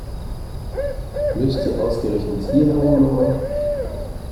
Müsst ihr ausgerechnet hier herumlungern?